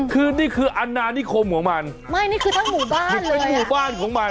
คือนี่คืออนานิคมของมันไม่นี่คือทั้งหมู่บ้านที่เป็นหมู่บ้านของมัน